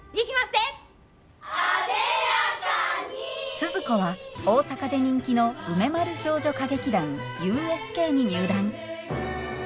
スズ子は大阪で人気の梅丸少女歌劇団ＵＳＫに入団。